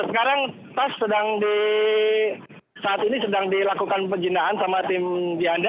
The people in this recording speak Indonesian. sekarang tas sedang di saat ini sedang dilakukan pejinaan sama tim dianda